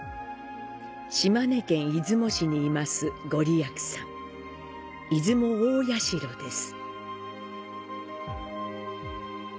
島根県出雲市に坐す、ごりやくさん、出雲大社です。